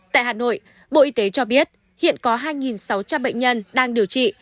tại hà nội bộ y tế cho biết hiện có hai sáu trăm linh bệnh nhân đang điều trị